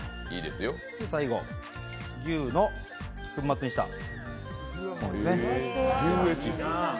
最後、牛の粉末にしたものですね。